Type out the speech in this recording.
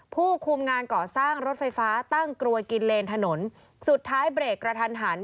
ผู้คุมงานก่อสร้างรถไฟฟ้าตั้งกลวยกินเลนถนนสุดท้ายเบรกกระทันหัน